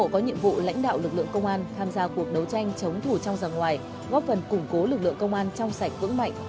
công an việt nam đã tạo lực lượng công an tham gia cuộc đấu tranh chống thủ trong dòng ngoài góp phần củng cố lực lượng công an trong sạch vững mạnh